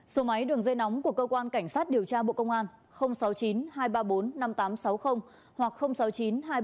số máy đường dây nóng của cơ quan cảnh sát điều tra bộ công an sáu mươi chín hai trăm ba mươi bốn năm nghìn tám trăm sáu mươi hoặc sáu mươi chín hai trăm ba mươi hai một nghìn sáu trăm sáu mươi bảy